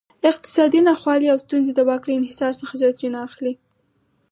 اقتصادي ناخوالې او ستونزې د واک له انحصار څخه سرچینه اخلي.